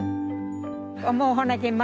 もうほなけん